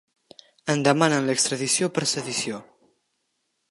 En demanen l’extradició per sedició.